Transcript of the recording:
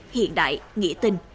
hiện đại nghĩa tình